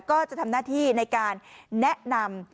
ก็จะทำหน้าที่ในการแนะนำ